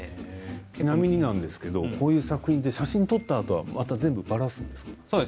ちなみにこういう作品は写真を撮ったあとは、また全部ばらすんですか。